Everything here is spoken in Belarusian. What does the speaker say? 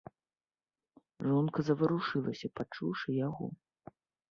Жонка заварушылася, пачуўшы яго.